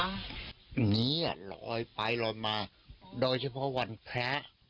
อันนี้ลอยไปลอยมาโดยเฉพาะวันพระ